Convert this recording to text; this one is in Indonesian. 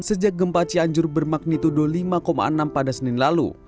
sejak gempa cianjur bermagnitudo lima enam pada senin lalu